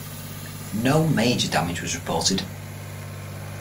No major damage was reported.